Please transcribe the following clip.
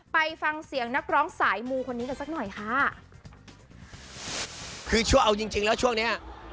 ไปฟังเสียงนักร้องสายมูคนนี้กันสักหน่อยค่ะคือช่วงเอาจริงจริงแล้วช่วงเนี้ย